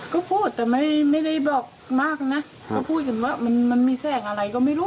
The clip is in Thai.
ก็พูดแต่ไม่ได้บอกมากนะก็พูดกันว่ามันมีแสงอะไรก็ไม่รู้